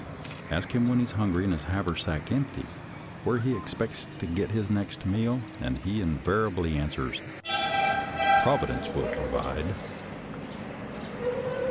Ask him when he is hungry and his haversack empty, where he expects to get his next meal, and he invariably answers, " Providence will provide."